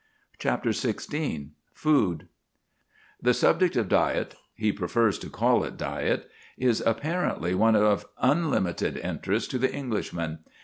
CHAPTER XVI FOOD The subject of diet he prefers to call it diet is apparently one of unlimited interest to the Englishman.